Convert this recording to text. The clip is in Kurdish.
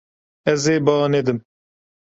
Ez ê ba nedim.